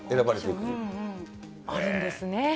あるんですね。